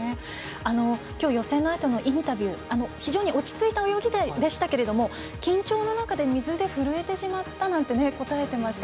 きょう予選のあとのインタビュー非常に落ち着いた泳ぎでしたが緊張で水の中で震えてしまったって答えてました。